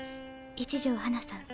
一条花さん。